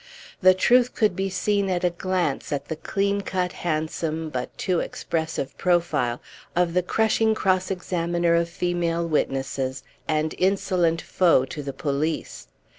The truth could be seen at a glance at the clean cut, handsome, but too expressive profile of the crushing cross examiner of female witnesses and insolent foe to the police.